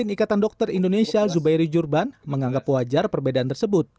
ikatan dokter indonesia zubairi jurban menganggap wajar perbedaan tersebut